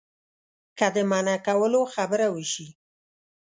که د منع کولو خبره وشي.